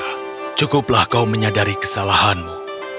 kau sudah cukup menyadari kesalahanmu